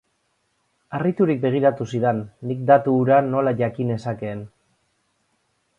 Harriturik begiratu zidan, nik datu hura nola jakin nezakeen.